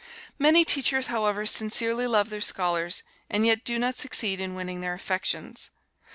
Many teachers, however, sincerely love their scholars, and yet do not succeed in winning their affections.